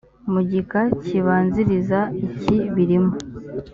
mu gika kibanziriza iki birimo